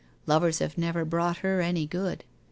Lovers have never brought her any good.